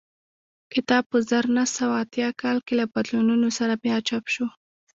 کتاب په زر نه سوه اتیا کال کې له بدلونونو سره بیا چاپ شو